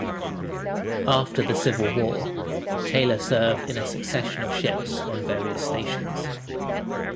After the Civil War, Taylor served in a succession of ships on various stations.